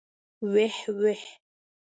ويح ويح.